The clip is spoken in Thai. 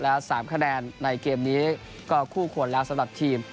แล้ว๓คะแนนในเกมนี้ก็คู่ควรแล้วสำหรับทีม